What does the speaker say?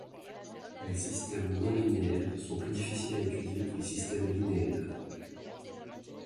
Les systèmes non linéaires sont plus difficiles à étudier que les systèmes linéaires.